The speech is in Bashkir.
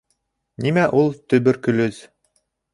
— Нимә ул төбөркөлөз?